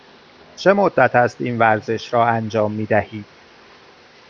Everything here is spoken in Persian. چه مدت است این ورزش را انجام می دهید؟